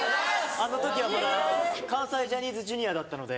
あの時はまだ関西ジャニーズＪｒ．だったので。